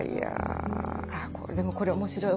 でもこれ面白い。